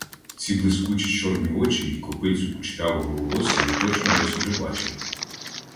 Ці блискучі чорні очі й копицю кучерявого волосся я точно десь уже бачив.